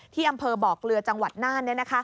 ที่อำเภอบ่อเกลือจังหวัดน่าน